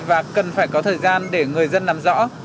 và cần phải có thời gian để người dân nắm rõ